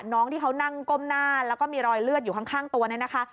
น้องที่เขานั่งก้มหน้าแล้วก็มีรอยเลือดอยู่ข้างตัวเนี่ยนะคะ